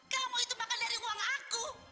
kamu itu makan dari uang aku